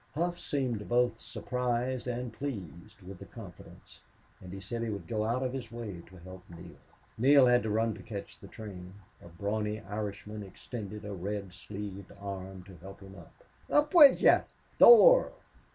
Hough seemed both surprised and pleased with the confidence, and he said he would go out of his way to help Neale. Neale had to run to catch the train. A brawny Irishman extended a red sleeved arm to help him up. "Up wid yez. Thor!"